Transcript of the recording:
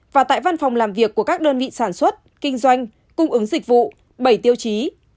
và tại văn phòng làm việc của các đơn vị sản xuất kinh doanh cung ứng dịch vụ bảy tiêu chí